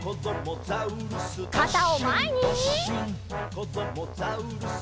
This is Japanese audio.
「こどもザウルス